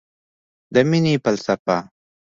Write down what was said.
د مینې فلسفه